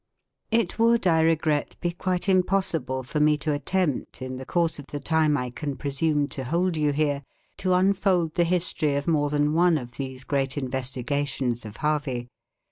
It would, I regret, be quite impossible for me to attempt, in the course of the time I can presume to hold you here, to unfold the history of more than one of these great investigations of Harvey.